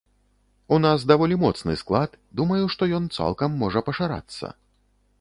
У нас даволі моцны склад, думаю, што ён цалкам можа пашырацца.